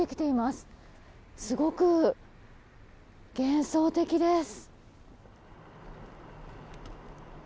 すごく幻想的です。